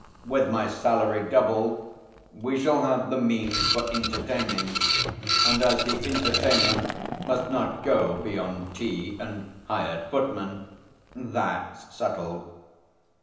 With my salary doubled, we shall have the means for entertaining, and as the entertainment must not go beyond tea and hired footmen that's settled.